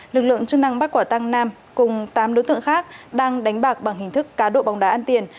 lực lượng chức năng bắt quả tăng nam cùng tám đối tượng khác đang đánh bạc bằng hình thức cá độ bóng đá an tiền